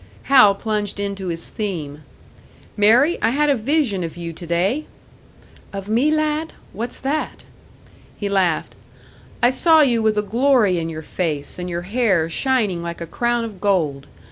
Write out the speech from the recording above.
Hal plunged into his theme. "Mary, I had a vision of you to day!" "Of me, lad? What's that?" He laughed. "I saw you with a glory in your face, and your hair shining like a crown of gold.